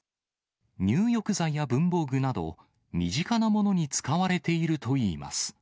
入浴剤や文房具など、身近なものに使われているといいます。